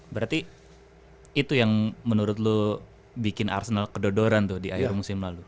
berarti itu yang menurut lo bikin arsenal kedodoran tuh di akhir musim lalu